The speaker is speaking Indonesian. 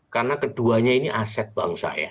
karena keduanya ini aset bangsa ya